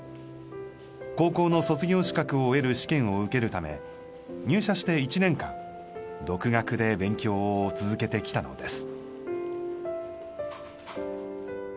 高校の卒業資格を得る試験を受けるため入社して１年間独学で勉強を続けてきたのです。